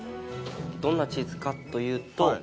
どんなチーズかというと。